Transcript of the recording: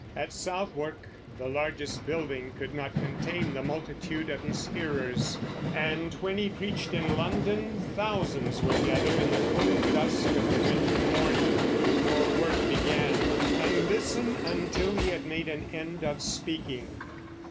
At Southwark the largest building could not contain the multitude of his hearers; and when he preached in London, thousands would gather in the cold dusk of the winter morning, before work began, and listen until he had made an end of speaking.